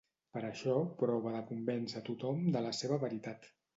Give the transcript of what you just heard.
Per això prova de convèncer tothom de la seva veritat.